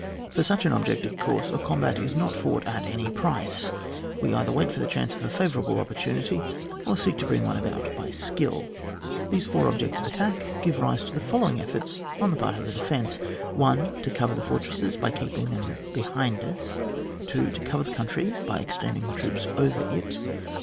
For such an object, of course, a combat is not fought at any pri^; we either wait for the chance of a favourable opportunity, or seek to bring one about by skill. These four objects of attack give rise to the following efforts on the part of the defence :— 1. To cover the fortresses by keeping them behind us. 2. To cover the country by extending the troops over it.